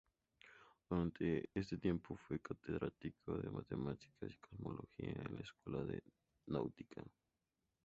Durante este tiempo fue catedrático de matemáticas y cosmología en la Escuela de Náutica.